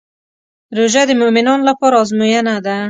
روژه د مؤمنانو لپاره ازموینه ده.